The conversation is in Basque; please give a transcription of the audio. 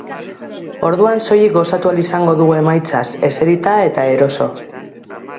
Orduan soilik gozatu ahal izango dugu emaitzaz, eserita eta eroso.